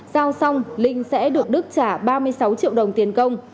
giao xong linh sẽ được đức trả ba mươi sáu triệu đồng tiền công